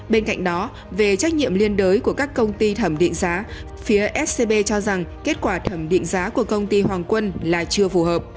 bên cạnh đó về trách nhiệm liên đới của các công ty thẩm định giá phía scb cho rằng kết quả thẩm định giá của công ty hoàng quân là chưa phù hợp